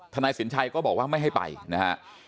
นายสินชัยก็บอกว่าไม่ให้ไปนะฮะ